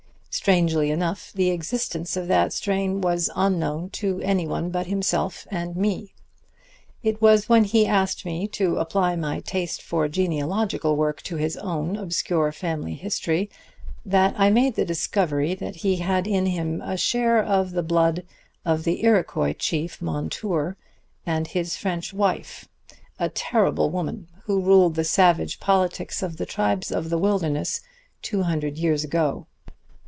Strangely enough, the existence of that strain was unknown to anyone but himself and me. It was when he asked me to apply my taste for genealogical work to his own obscure family history that I made the discovery that he had in him a share of the blood of the Iroquois chief Montour and his French wife, a terrible woman who ruled the savage politics of the tribes of the Wilderness two hundred years ago.